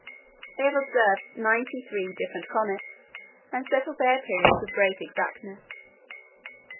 They have observed ninety three different comets, and settled their periods with great exactness.